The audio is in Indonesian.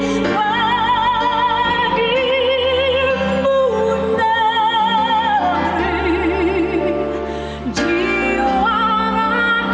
pada munagri kami berjanji